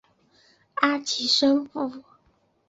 阿奇森府。